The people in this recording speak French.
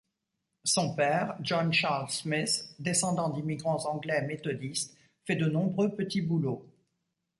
Son père, John Charles Smith, descendant d'immigrants anglais méthodistes, fait de nombreux petits boulots.